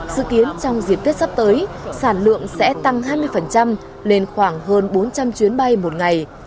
dự kiến trong dịp tết sắp tới sản lượng sẽ tăng hai mươi lên khoảng hơn bốn trăm linh chuyến bay một ngày